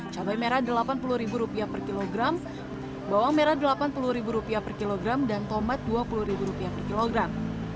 cabai merah delapan puluh ribu rupiah per kilogram bawang merah delapan puluh ribu rupiah per kilogram dan tomat dua puluh ribu rupiah per kilogram